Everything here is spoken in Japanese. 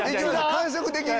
感触的に。